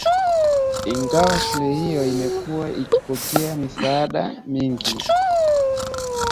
Ingawa shule hiyo imekuwa ikipokea misaada mingi